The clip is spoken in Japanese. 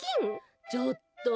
ちょっと！